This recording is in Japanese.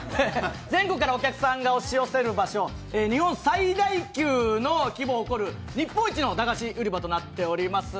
全国からお客さんが押し寄せる場所日本最大級の規模を誇る日本一のだがし売り場となっております。